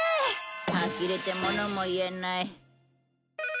あきれてものも言えない。